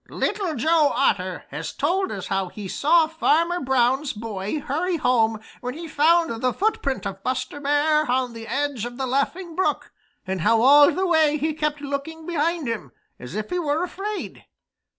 "Little Joe Otter has told us how he saw Farmer Brown's boy hurry home when he found the footprint of Buster Bear on the edge of the Laughing Brook, and how all the way he kept looking behind him, as if he were afraid.